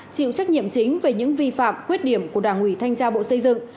chịu trách nhiệm chính về những vi phạm khuyết điểm của đảng ủy thanh tra bộ xây dựng